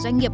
sống ở đây